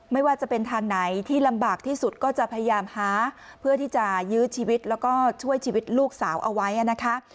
ไม่ว่าจะเป็นทางไหนที่ลำบากที่สุดก็จะพยายามหาเพื่อที่จะยื้อชีวิตแล้วก็ช่วยชีวิตลูกสาวเอาไว้นะคะ